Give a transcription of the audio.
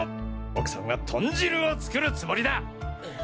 奥さんは豚汁を作るつもりだ！